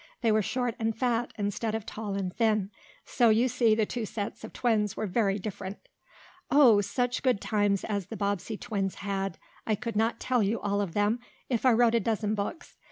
They were short and fat, instead of tall and thin. So you see the two sets of twins were very different. Oh! such good times as the Bobbsey twins had! I could not tell you all of them, if I wrote a dozen books.